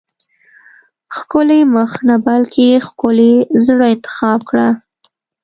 ښکلی مخ نه بلکې ښکلي زړه انتخاب کړه.